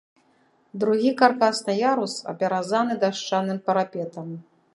Другі каркасны ярус апяразаны дашчаным парапетам.